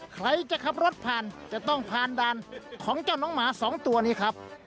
ใครจะขับรถผ่านจะต้องผ่านด่านของเจ้าน้องหมาสองตัวนี้ครับ